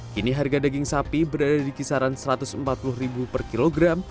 kini harga daging sapi berada di kisaran rp satu ratus empat puluh per kilogram